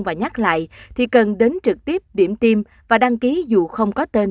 và nhắc lại thì cần đến trực tiếp điểm tim và đăng ký dù không có tên